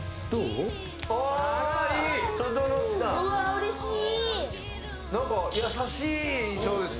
うれしい。